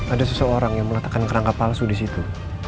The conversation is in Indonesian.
ada seseorang yang meletakkan kerangka palsu disitu